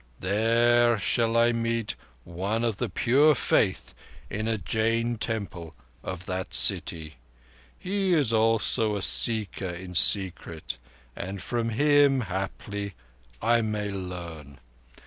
There I shall meet one of the pure faith in a Jain temple of that city. He also is a Seeker in secret, and from him haply I may learn.